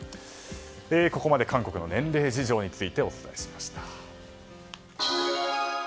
ここまで韓国の年齢事情についてお伝えしました。